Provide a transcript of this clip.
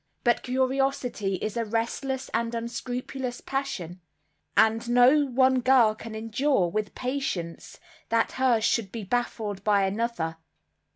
But curiosity is a restless and unscrupulous passion, and no one girl can endure, with patience, that hers should be baffled by another.